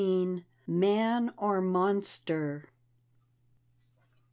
19 Man or Monster?